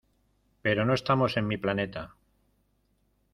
Pero no estamos en mi planeta.